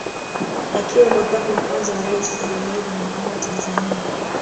Akiwa Makamo wa kwanza wa Rais wa Jamhuri ya Muungano wa Tanzania